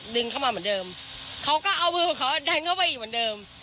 ดึงเข้ามาเหมือนเดิมเขาก็เอามือของเขาดันเข้าไปอีกเหมือนเดิม